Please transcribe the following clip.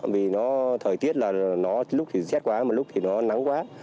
vì nó thời tiết là lúc thì rét quá lúc thì nó nắng quá